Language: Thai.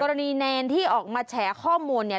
เนรที่ออกมาแฉข้อมูลเนี่ย